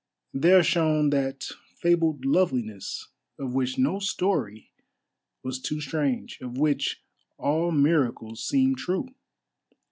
There shone that fabled loveliness of which no story was too strange, of which all miracles seemed true.